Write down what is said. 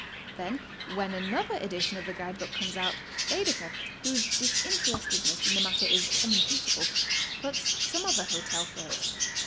Then when another edition ot the guide book comes out, Baedeker, whose disinterestedness in the matter is unimpeachable, puts some other hotel first.